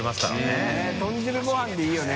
佑豚汁ごはんでいいよね。